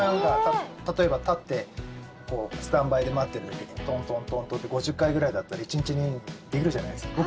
例えば、立ってスタンバイで待ってる時にトントントンって５０回ぐらいだったら１日にできるじゃないですか。